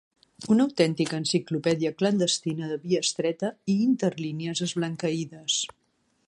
Una autèntica enciclopèdia clandestina de via estreta i interlínies esblanqueïdes.